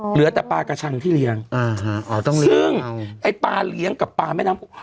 เหลือแต่ปลากระชังที่เลี้ยงอ่าฮะอ๋อต้องเลี้ยงซึ่งไอ้ปลาเลี้ยงกับปลาแม่น้ำโขง